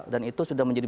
dan itu sudah menjadi